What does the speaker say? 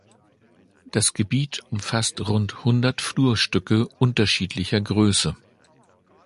Das Gebiet umfasst rund hundert Flurstücke unterschiedlicher Größe.